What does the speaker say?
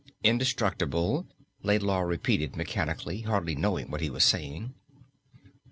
"Indestructible," Laidlaw repeated mechanically, hardly knowing what he was saying.